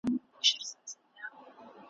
له سره لمر او له ګرمۍ به کړېدله ,